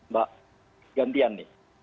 pak gantian nih